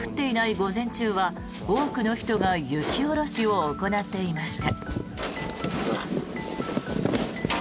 午前中は多くの人が雪下ろしを行っていました。